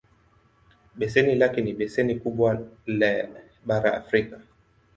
Beseni lake ni beseni kubwa le bara la Afrika.